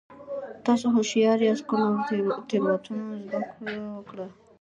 تاسو هوښیار یاست که له تېروتنو زده کړه وکړه.